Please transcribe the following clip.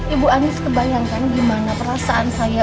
ibu andi sebayangkan gimana perasaan saya